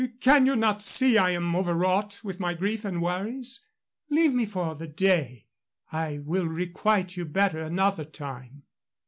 "Can you not see I am overwrought with my grief and worries? Leave me for the day. I will requite you better another time."